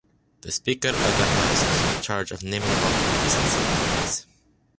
The Speaker of the House is in charge of naming all committees and subcommittees.